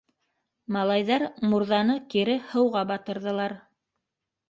Малайҙар мурҙаны кире һыуға батырҙылар.